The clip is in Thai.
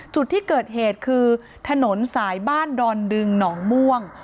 จุดที่เกิดเหตุคือถนนสายบ้านดอนดึงหนองม่วง